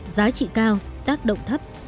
giá trị cao tác động thấp